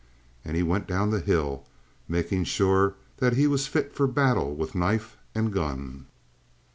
And he went down the hill, making sure that he was fit for battle with knife and gun.